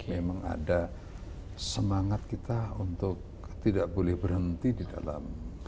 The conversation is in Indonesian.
memang ada semangat kita untuk tidak boleh berhenti di dalam